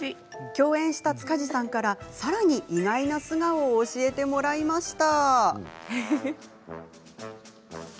共演した塚地さんからさらに意外な素顔を教えてもらいました。